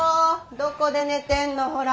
どこで寝てんのほら。